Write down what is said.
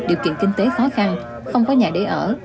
điều kiện kinh tế khó khăn không có nhà để ở